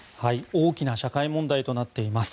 大きな社会問題となっています。